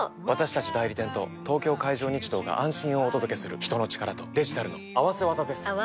私たち代理店と東京海上日動が安心をお届けする人の力とデジタルの合わせ技です！